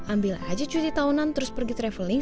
ambil aja cuci tahunan terus pergi traveling